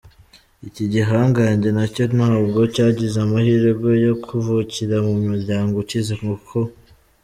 Iki gihangange nacyo ntabwo cyagize amahirwe yo kuvukira mu muryango ukize kuko.